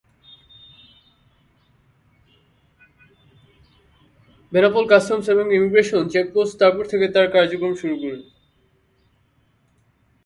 Benapole customs এবং immigration check post তারপর থেকে তার কার্যক্রম শুরু করে।